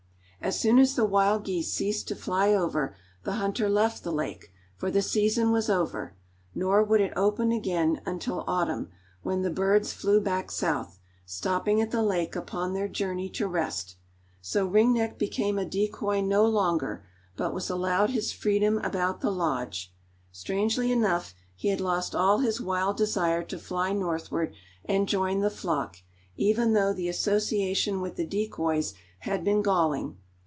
As soon as the wild geese ceased to fly over, the hunter left the lake, for the season was over, nor would it open again until autumn, when the birds flew back south, stopping at the lake upon their journey to rest. So Ring Neck became a decoy no longer, but was allowed his freedom about the lodge. Strangely enough, he had lost all his wild desire to fly northward and join the flock, even though the association with the decoys had been galling.